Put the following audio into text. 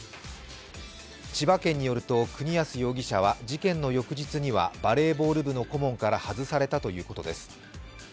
千葉県によると、国安容疑者は事件の翌日にはバレーボール部の顧問から外されたということです。